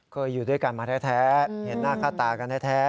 เคยอยู่ด้วยกันมาแท้เห็นหน้าค่าตากันแท้